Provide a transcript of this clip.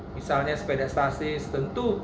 misalnya sepeda stasi tentu